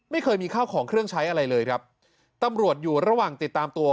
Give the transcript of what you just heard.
ไม่เคยมีข้าวของเครื่องใช้อะไรเลยครับตำรวจอยู่ระหว่างติดตามตัว